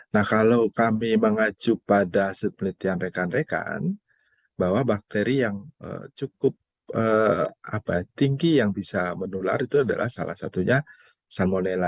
nah kalau kami mengacu pada penelitian rekan rekan bahwa bakteri yang cukup tinggi yang bisa menular itu adalah salah satunya salmonella